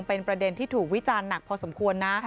เป็นประเด็นที่ถูกวิจารณ์หนักพอสมควรนะ